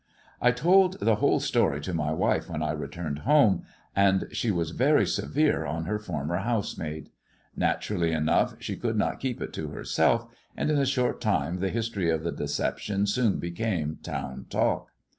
I told the whole story to my wife when I returned home, and she was very severe on her former housemaid. Natur ally enough she could not keep it to herself, and in a short time the history of the deception soon became town talk.